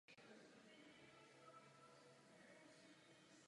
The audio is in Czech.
V době sňatku bylo Janovi jedenáct let a jeho nevěstě pět.